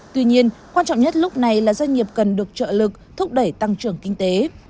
tuy nhiên quan trọng nhất lúc này là doanh nghiệp cần được trợ lực thúc đẩy tăng trưởng kinh tế